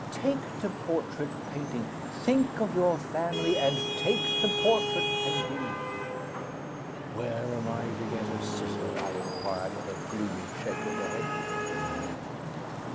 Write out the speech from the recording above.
Take to portrait painting think of your family, and take to portrait painting!" "Where am I to get a sitter?' I inquired, with a gloomy shake of the head.